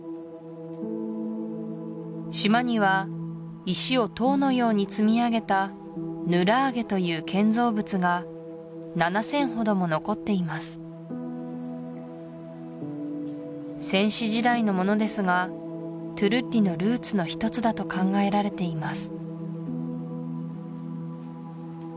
島には石を塔のように積み上げたヌラーゲという建造物が７０００ほども残っています先史時代のものですがトゥルッリのルーツの一つだと考えられています